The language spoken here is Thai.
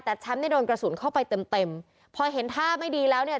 แต่แชมป์เนี่ยโดนกระสุนเข้าไปเต็มเต็มพอเห็นท่าไม่ดีแล้วเนี่ย